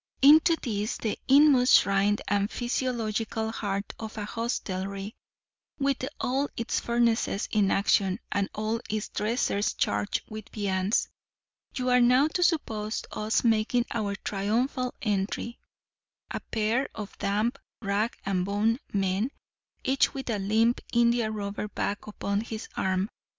Into this, the inmost shrine and physiological heart of a hostelry, with all its furnaces in action, and all its dressers charged with viands, you are now to suppose us making our triumphal entry, a pair of damp rag and bone men, each with a limp india rubber bag upon his arm.